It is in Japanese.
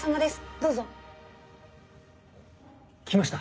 どうぞ。来ました。